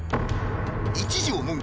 一条もん